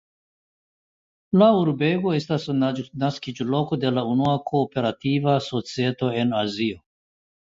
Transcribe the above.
La urbego estas naskiĝloko de la unua kooperativa societo en Azio.